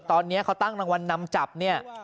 ตอนนี้เขาตั้งรางวัลนำจับภาพ๑๕๐๐๐